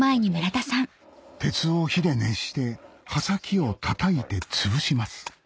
鉄を火で熱して刃先をたたいてつぶします